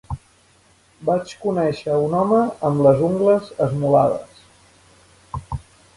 Vaig conèixer un home amb les ungles esmolades.